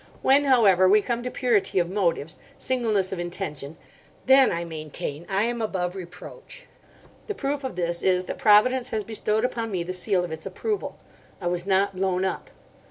When, however, we come to purity of motives, singleness of intention, then, I maintain, I am above reproach. The proof of this is that Providence has bestowed upon me the seal of its approval: I was not blown up.